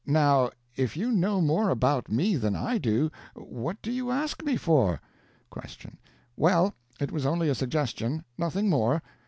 Now, if you know more about me than I do, what do you ask me for? Q. Well, it was only a suggestion; nothing more.